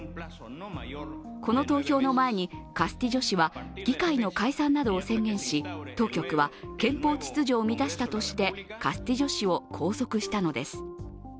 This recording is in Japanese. この投票の前にカスティジョ氏は議会の解散などを宣言し、当局は憲法秩序を乱したとしてカスティジョ氏を拘束したのです。